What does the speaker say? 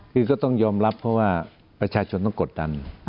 คือก็ต้องยอมรับเพราะว่าประชาชนต้องกดดัน